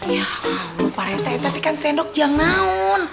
ya allah pak rete tadi kan sendok jangan naon